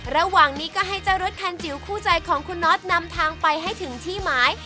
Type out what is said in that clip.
ระหว่างนี้ก็ให้เจ้ารถคันจิ๋วคู่ใจของคุณน็อตนำทางไปให้ถึงที่หมาย